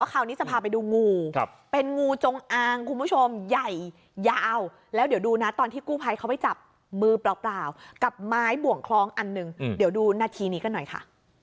คราวนี้จะพาไปดูงูเป็นงูจงอางคุณผู้ชมใหญ่ยาวแล้วเดี๋ยวดูนะตอนที่กู้ภัยเขาไปจับมือเปล่ากับไม้บ่วงคล้องอันหนึ่งเดี๋ยวดูนาทีนี้กันหน่อยค่ะ